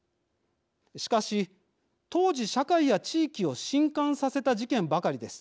しかし当時社会や地域をしんかんさせた事件ばかりです。